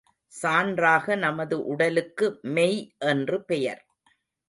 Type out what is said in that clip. சான்றாக நமது உடலுக்கு மெய் என்று பெயர்.